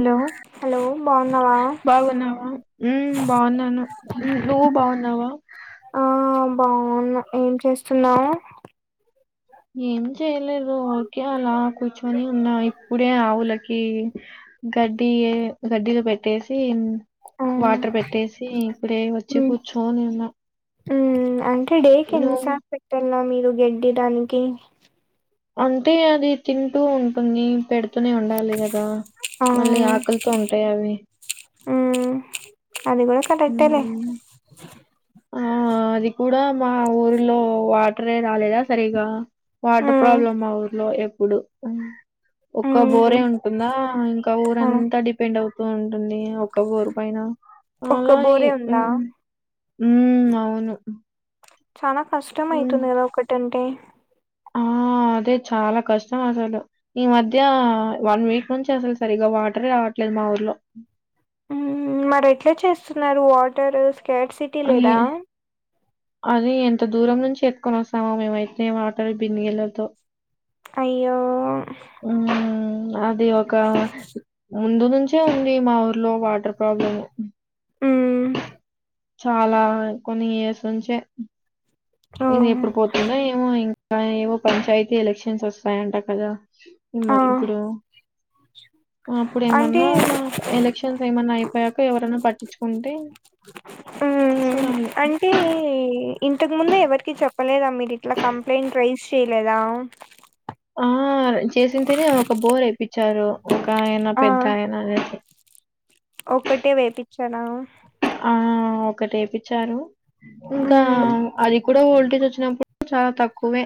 అలో hello బాగున్నావా బాగున్నావా ఆహ్ బావున్నా ఏం చేస్తున్నావు ఏం చేయలేదు ఉర్కే అలా కూర్చుొని ఉన్నా ఇప్పుడే ఆవులకి గడ్డియే గడ్డిలు పెట్టేసి ఆ వాటర్ పెట్టేసి ఇప్పుడే వచ్చి కూర్చోని ఉన్న ఉమ్ అంటే డే కి ఎన్నిసార్ పెట్టాల మీరు గడ్డిడానికి అంటే అది తింటూ ఉంటుంది పెడ్ పెడ్తూనే ఉండాలి గదా మళ్ళీ ఆకలితో ఉంటాయి అవి ఉమ్ అది గూడా కరక్టెలే ఆహ్ అది కూడా మా ఊర్లో వాటరే రాలేదా సరిగా వాటర్ మ్మ్ ప్రాబ్లమ్ మా ఊర్లో ఎప్పుడు ఒక్క బోరే మ్మ్ ఉంటుందా ఇంకా ఆ ఊరంతా డి పెండవ్తూ ఉంటుంది ఒక్క బోరు పైన ఒక్క బోరే ఉందా ఉమ్ అవును చానా హ్మ్. కష్టమైతుంది గదా ఒకటంటే ఆ! అదే చాలా కష్టం అసలు ఈ మధ్య వన్ వీక్ నుంచి అసలు సరిగా వాటరే రాట్లేదు మా ఊర్లో ఉమ్ మరెట్లా చేస్తున్నారు వాటరు స్కట్సిక్ ఏ అది ఎంత దూరం నుంచి ఎత్కొని వొస్తమామేమైతే వాటర్ బిన్ నీళ్లతో అయ్యో ఆ అది ఒకా ముందు నుంచే ఉంది మా ఊర్లో వాటర్ ప్రాబ్లము ఆ చాలా కొన్ని ఇయర్స్ నుంచే ఇది ఓహో ఎప్పుడు పోతుందో ఏమో ఇంకా ఏమో పంచాయతీ ఎలక్షన్స్ వొస్తయంట కదా ఆ ఇంగ ఇప్పుడు అప్పుడేమన్నా అంటే ఎలక్షన్స్ ఏమన్నా అయిపోయాక ఎవరనా పట్టించుకుంటే మ్మ్ చూడలి అంటే ఇంతకుముందే ఎవరికిీ చెప్పలేదా మీరు ఇట్లా కంప్లైంట్ రైజ్ చేయలేదా ఆ చేసింతనే ఒక బోర్ వేపిచ్చారు ఒక ఆయన ఆ పెద్ద ఆయన అనేసి ఒక్కటే వేపిచ్చనా ఆ ఒకటి ఏపిచ్చారు ఇంకా మ్మ్ అది కూడా వోల్టేజ్ వొచ్చినప్పు చాలా తక్కువే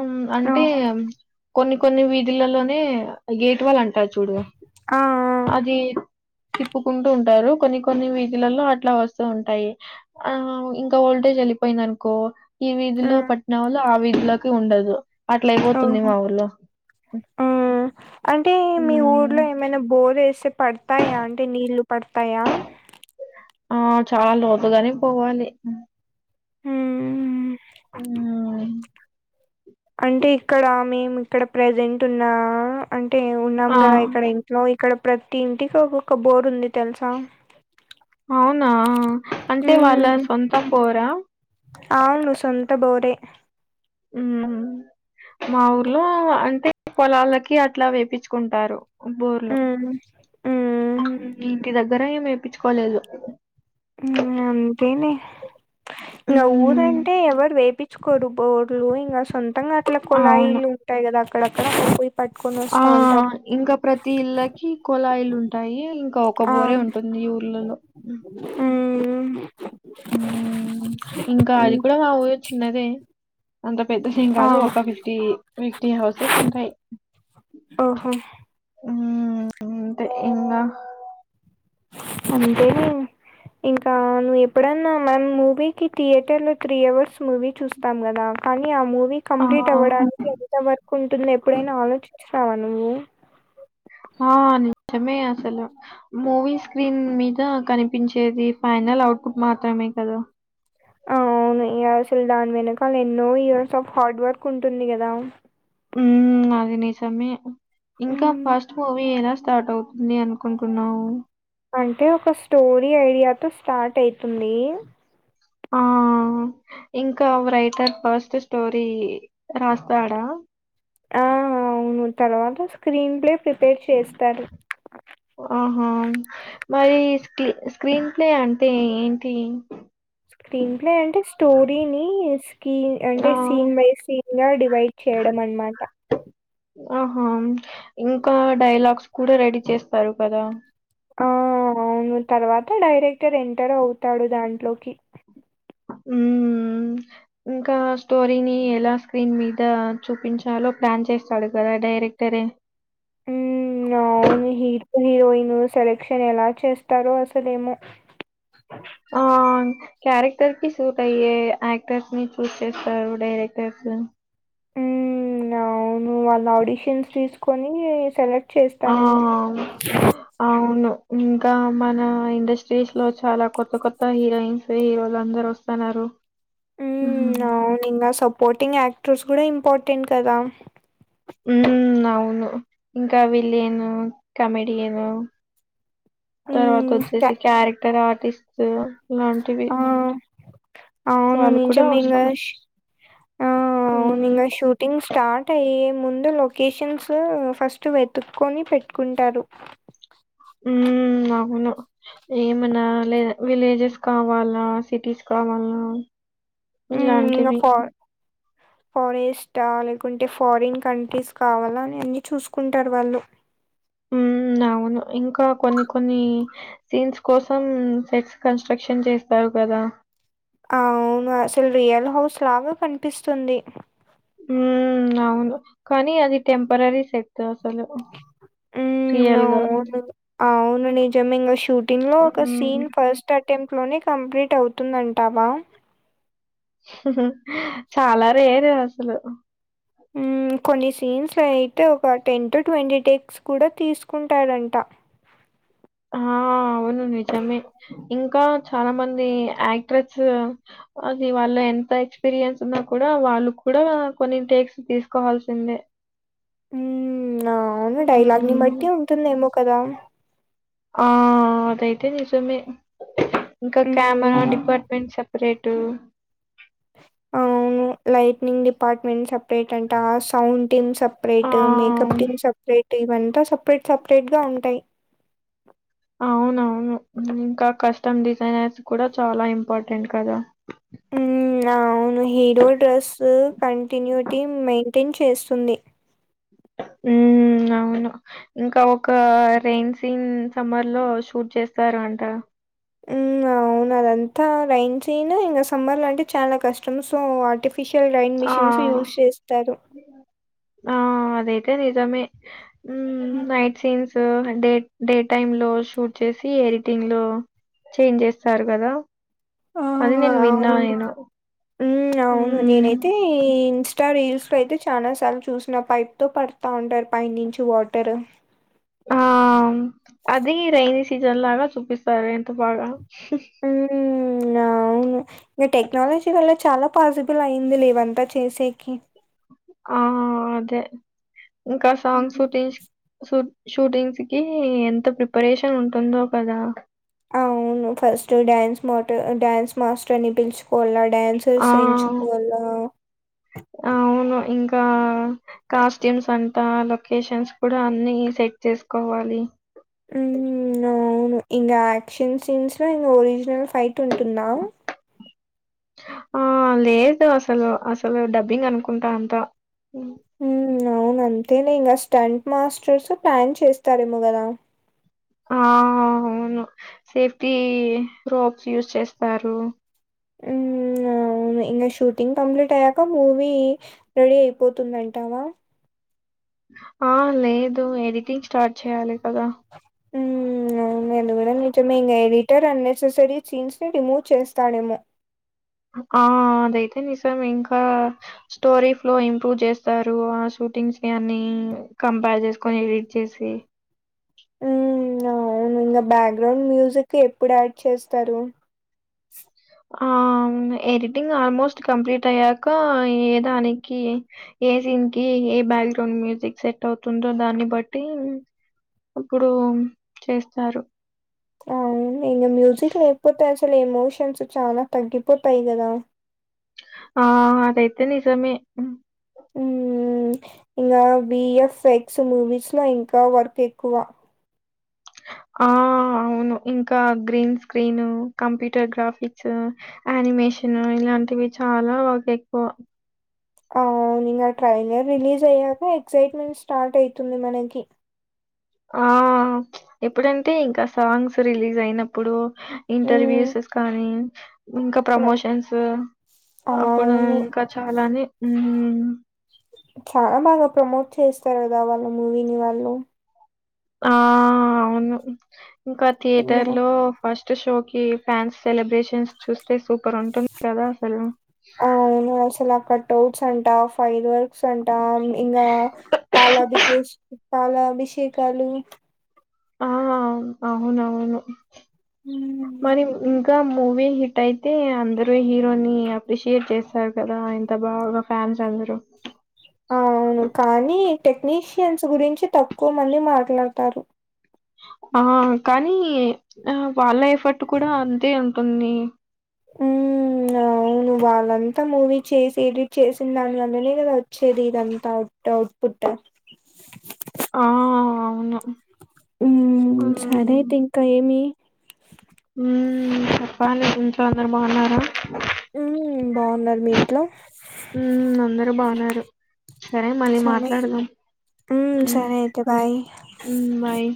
ఉమ్ అంటే ఓహో కొన్ని కొన్ని వీధిలలోనే గేట్ వాళ్ళంటరు చూడు ఆ అదీ తిప్పుకుంటూ ఉంటారు కొన్ని కో కొన్ని కొన్ని వీధులలో అట్లా వస్తూ ఉంటాయి ఆ ఇంకా ఓల్టేజ్ ఎళ్ళిపేయింది అనుకో ఈ ఆ వీధిలో మ్మ్ పట్న వాళ్ళు ఆ వీధిలోకి ఉండదు అట్లైపోతుంది ఓహో మా ఊర్లో మ్మ్ అంటే మీ ఊర్లో ఉమ్ ఏమైనా బోరేస్తే పడ్తాయాంటే నీళ్లు పడ్తాయా ఆ చాల్ లోతుగానే పోవాలి హ్మ్ హ్మ్. అంటే ఇక్కడ మేము ఇక్కడ ప్రజెంట్ ఉన్నా అంటే ఉన్నాం ఆ గదా ఇక్కడ ట్లో ఇక్కడ ప్రతి ఇంటికి ఒక్కొక్క బోర్ ఉంది తెల్సా అవునా అంటే వాళ్ళ మ్మ్ సొంతం బోరా అవును సొంత బోరే ఉమ్మ్ మా ఊర్లో అంటే పొలాలకి అట్లా వేపిచ్చుకుంటారు బోర్లు ఉమ్ ఉమ్ ఇంటి దగ్గర ఏమేప్పించుకోలేదు ఉమ్ అంతేలే ఇంగ హ్మ్. ఊరంటే ఎవరు వేపి చుకోరు బోర్లు ఇంగ సొంతంగా అట్ల అవును కుళాయిలుంటాయి కదా అక్కడక్కడ నువ్వు వస్తా అంట ఆ ఇంకా ప్రతీ ఇళ్ళకి కొళాయిలుంటాయి ఇంకా ఒక ఆ బోరే ఉంటుంది ఈ ఊర్లలో [unintelligible] ఊ ఇంకా అది ఉమ్ కూడా మా ఊరు వచ్చింది అదే అంత పెద్దద్దెమ్ ఆ కాదు ఒక ఫిఫ్టీ ఫిఫ్టీ హౌసెస్ ఉంటాయి ఓహో ఉమ్మ్ [unintelligible] ఇంతే ఇంగా అంతేలే ఇంకా నువ్వు ఎప్పుడన్నా మ్యామ్ మూవీ కి థియేటర్ లో త్రీ అవర్స్ మూవీ చూస్ పోతాం కదా కానీ ఆ మూవీ ఆ! కంప్లీట్ అవ్వడానికి ఎంత వర్క్ ఉంటుంది ఎప్పుడైనా ఆలోచించావా నువ్వు ఆ నిజమే అసలు మూవీ స్క్రీన్ మీద కనిపించేది ఫైనల్ అవుట్పుట్ మాత్రమే కదా ఆ అవును ఇగ అసలు దాని వెనకళ ఎన్నో ఇయర్స్ ఆఫ్ హార్డ్ వర్క్ ఉంటుంది గదా ఉమ్మ్ అది నిజమే ఇంకా హ్మ్. ఫస్ట్ మూవీ ఎలా స్టార్ట్ అవు నీ అనుకుంటున్నవు అంటే ఒక స్టోరీ ఐయ్యాక స్టార్ట్ అయితుంది ఆ ఇంకా రైటర్ ఫస్ట్ స్టోరీ రాస్తాడా ఆ అవును తర్వాత స్క్రీన్ ప్లే ప్రిపేర్ చేస్తారు ఆహా మరి స్కీ స్క్రీన్ ప్లే అంటే ఏంటి స్క్రీన్ ప్లే అంటే స్టోరీని స్ కి ఆ! అంటే సీన్ బై సీన్ గా డివైడ్ చేయడం అనమాట ఆహా ఇంకా డైలాగ్స్ కూడా రెడీ చేస్తారు కదా ఆ అవును తర్వాత డైరెక్టర్ ఎంటర్ అవుతాడు దాంట్లోకి ఉమ్మ్ ఇంకా స్టోరీని ఎలా స్క్రీన్ మీద చూపించాలో ప్లాన్ చేస్తాడు కదా డైరెక్టరే ఉమ్మ్ అవును హీరో హీరోయిన్ సెలెక్షన్ ఎలా చేస్తారో అసల ఏమో ఆ క్యారెక్టర్ కి సూట్ అయ్యే యాక్టర్స్ ని చూస్ చేస్తారు డైరెక్టర్స్ ఉమ్మ్ అవును వాళ్ళ ఆడిషన్స్ తీసుకొని సెలెక్ట్ చేస్తారేమో ఆ! [unintelligible] అవును ఇంకా మన ఇండస్ట్రీస్ లో చాలా కొత్త కొత్త హీరోయిన్స్ హీరోలు అందరు వస్తన్నారు [unintelligible] నింగా సపోర్టింగ్ యాక్టర్స్ కూడా ఇంపార్టెంట్ కదా ఉమ్మ్ అవును ఇంకా విలెను కామెడియను తర్వాత హ్మ్. ట వొచ్చేసి క్యారెక్టర్ ఆర్టిస్ట్ ఇలాంటివి ఆ! అవును వాళ్ళు కూడా [unintelligible] అవసరమే. మింగాష్ ఆ అవును హ్మ్. ఇంగా షూట్ టింగ్ స్టార్ట్ అయ్యే ముందు లొకేషన్స్ ఫస్ట్ వెతుక్కొని పెట్టుకుంటారు హ్మ్మ్ అవును ఏమనా లే విలేజెస్ కావాలా సిటీస్ కావాలా ఇంగ్లాండ్ [unintelligible] ఫర్ ఫారెస్టా లేకుంటే ఫారిన్ కంట్రీస్ కావాలా అని అన్నీ చూసుకుంటారు వాళ్ళు ఉ అవును ఇంకా కొన్ని కొన్ని సీన్స్ కోసం సెట్స్ కన్స్ట్రక్షన్ చేస్తారు కదా అవును అసలు రియల్ హౌస్ లాగా కనిపిస్తుంది ఉ అవును కానీ అది టెంపరరీ సెట్టు అసలు హ్మ్. రియల్ గా అవును. అవును నిజం ఇంగ షూటింగ్ లో ఒక హ్మ్. సీన్ ఫస్ట్ అటెంప్ట్ లోనే కంప్లీట్ అవుతుంది అంటావా చాలా రేరు అసలు ఉ కొన్ని సీన్స్ అయితే ఒక టెన్ టు ట్వంటీ టెక్స్ కూడా తీసుకుంటాడంట ఆ అవును నిజమే ఇంకా చాలా మంది యాక్ట్రెస్ అది వాళ్ల ఎంత ఎక్స్పీరియన్స్ ఉన్నా కూడా వాళ్ళు కూడా కొన్ని టేక్స్ తీసుకోవాల్సిందే ఉ అవును డైలాగ్ ని హ్మ్. బట్టి ఉంటుందేమో కదా ఆ అదైతే నిజమే ఇంకా కెమెరా హ్మ్. డిపార్ట్మెంట్ చెప్ ఏటు అవును లైట్నింగ్ డిపార్ట్మెంట్ సపరేట్ అంటే ఆ సౌండ్ టీమ్ సప్ ఆ! రేట్ మేకప్ టీమ్ సపరేట్ ఇవంత సపరేట్ సపరేట్ గా ఉంటయ్ అవునవును ఇంక కస్టమ్ డిజైనర్స్ కూడ చాలా ఇంపార్టెంట్ కద ఉ ఔను హీరో డ్రెస్సు కంటిన్యుటి మెయింటైన్ చేస్తుంది ఉ ఔను ఇంక ఒక రెన్ సీన్ సమ్మర్ లో షూట్ చేస్తారు అంట ఉ ఔను అదంత లైన్స్ సీను ఇంక సమ్మర్లంటే చాల కష్టం సో ఆర్టీఫ్ ఫిషల్గ ఇన్ ఆ! మిషన్స్ యూస్ చేస్తరు ఆ అదైతే నిజమే ఉ night scenes so day time లో షూట్ చేసి ఎడిటింగ్ లో చేంజ్ చేస్తారు గద అది వెన్న నేను ఉ ఔను హ్మ్. నేనైతే అయితే ఇంస్టా రీల్స్లొ అయితే చాల సార్లు చూసిన వైపుతో పడతా ఉంటరు పైన్ నుంచి వాటరు ఆ అది రైైన్ సీజన్ లాగ చూపిస్తరు ఎంత బాగ [inaudible] ఔను ఇగ టెక్నాలజీ వల్ల చాల పాసిబుల్ అయింది లేదంటే చుసేకి ఆ అదే ఇంక సాంగ్ హ్మ్. షూటింగ్స్ కి షూటింగ్స్ కి ఎంత ప్రిపరేషన్ ఉంటుందొ కదా ఔను ఫస్ట్ డ్యాన్స్ మాట్ డ్యాన్స్ మాస్టర్ నీ పిలుచుకొవలె డ్యాన్సర్స్ ఎంచుకోవల ఔను ఇంకా కాస్ట్యూమ్స్ అంటా లొకేషన్స్ కూడ అన్నీ సెట్ చేసుకోవాలి ఉ ఔను ఇంగ యాక్షన్ సీన్స్లొ ఒరిజినల్ ఫైట్ ఉంటుంద ఆ లేదు అసలు అసలు డబ్బింగ్ అనుకుంట అంత ఉ ఔను అంతేలె ఇంగ స్టంట్ మాస్టర్స్ ప్లాన్ చేస్తారేమో గద ఆ హౌను సేఫ్టీ రొబ్స్ యూస్ చేస్తారు [inaudible] ఔను ఇంగ షూటింగ్ కంప్లీట్ అయ్యాక మూవీ రెడీ అయిపొతుందంటావా ఆ లేదు ఎడిటింగ్ స్టార్ట్ చేయాలి కద ఉ అది కూడా నిజమో ఏమో ఎడిటర్ అన్ నెస్సరి సీన్స్ ని రిమూవ్ చేస్తాడేమో ఆ అదైతే నిజమె ఇంకా స్టోరీస్లొ ఇంప్రూవ్ చేస్తారు ఆ షూటింగ్స్ని అన్ని కంపార్ జెసుకొని ఎడిట్ చేసి హ్మ్. ఇంగ బ్యాక్గ్రౌండ్ మ్యూజిక్ ఎప్పుడు యాడ్ చేస్తరు ఆ ఎడిటింగ్ ఆల్మోస్ట్ కంప్లీట్ అయ్యాక ఏ దానికి ఏ సీన్కి ఏ బ్యాక్గ్రౌండ్ మ్యూజిక్ సెట్ అవుతుందొ దాని బట్టి ఇప్పుడు చేస్తారు అ ఔన్ ఇనిన్ మ్యూజిక్ లేకపొతె అసలు ఎమోషన్స్ చాల తగ్గిపొతయి కదా ఆ అదైతే నిజమే ఉ ఇంగా బిఎఫ్ఎక్స్లు విస్ల ఇంకా వర్క్ ఎక్కువ ఆ ఔను ఇంక green screen computer graphics animation ఇలాంటివి చాల వర్క్ ఎక్కువ ఔన్ ఇంగ ట్రైలర్ రిలీజ్ అయ్యాక ఎక్సయిట్మెంట్ స్టార్ట్ అయ్తుంది మనకి ఆ ఎప్పుడంటే ఇంక సాంగ్స్ రిలీజ్ అయ్నప్పుడు హ్మ్. ఇంటర్వ్యూస్స్ కాని ఇంకా ప్ర ప్రమోషన్స్ అప్పుడు అవును. ఇంకా చాలానే చాలా ప్రమోట్ చేస్తర్ గద వాళ్ళ మూవిని వాళ్ళు ఆ అవును ఇంకా ఇంగా థియేటర్లొ ఫస్ట్ షోకి ఫ్యాన్స్ సెలబ్రేషన్స్ చూస్తే సూపర్ ఉంటుంది కదా అసలు [inaudible] అసల కట్ఔట్స్ అంటా ఫైర్ వర్క్స్ అంట ఇన్ ఇంగా పాల అబికెష్ పాలాభిషేకలు ఆ అవును అవును హ్మ్. మరి ఇంకా మూవీ హిట్ అయితే అందరూ హీరోని అప్రిషియేట్ చేస్తారు కదా ఇంత బాగా ఫ్యాన్స్ అందరూ అ అవును కానీ టెక్నీషియన్స్ గురించి తక్కువ మంది మాట్లాడతారు ఆ కానీ ఆ వాళ్ళ ఎఫర్ట్ కూడా అంతే ఉంటుంది హ్మ్. అవును. వాళ్ళంతా మూవీ చేసి ఎడిట్ చేసిన దాని వలనే కదా వచ్చేది ఇదంతా అట్ అవుట్పుట్ ఆ అవును ఉమ్ సరే హ్మ్. అయితే ఇంకా ఏమి ఉమ్ చెప్పంలి ఇంట్లో అందరు బాగున్నారు మ్ బాగున్నార మీ ఇంట్లో ఉమ్ అందరు బాగున్నారు సరే మళ్ళీ సరే మాట్లాడదాం హ్మ్. సరే అయితే బాయ్. ఉమ్ బాయ్